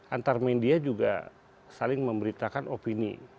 antar media juga saling memberitakan opini